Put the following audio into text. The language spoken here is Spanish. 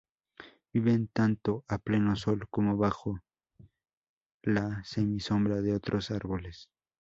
Viven tanto a pleno sol como bajo la semisombra de otros árboles.